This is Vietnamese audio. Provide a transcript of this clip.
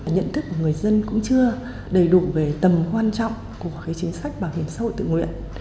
nhận thức của người dân cũng chưa đầy đủ về tầm quan trọng của chính sách bảo hiểm xã hội tự nguyện